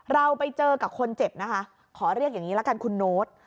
เราไปเจอกับคนเจ็บนะคะขอเรียกอย่างนี้ละกันคุณโน๊ต